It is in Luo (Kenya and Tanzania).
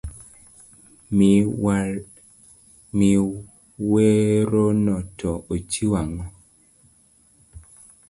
Mi werono to ochiwo ang'o.